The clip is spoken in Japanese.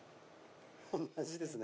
同じですね。